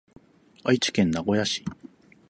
愛知県名古屋市